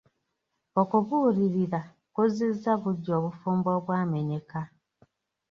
Okubuulirira kuzizza buggya obufumbo obwamenyeka.